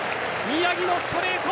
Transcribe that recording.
宮城のストレート。